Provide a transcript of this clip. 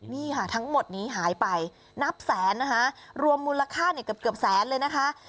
นี่ค่ะทั้งหมดนี้หายไปนับแสนนะคะรวมมูลค่าเนี่ยเกือบแสนเลยนะคะ